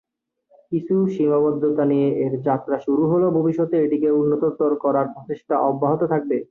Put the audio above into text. কিছু সীমাবদ্ধতা নিয়ে এর যাত্রা শুরু হলেও ভবিষ্যতে এটিকে উন্নততর করার প্রচেষ্টা অব্যাহত থাকবে।